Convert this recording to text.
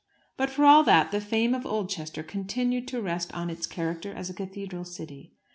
But, for all that, the fame of Oldchester continued to rest on its character as a cathedral city.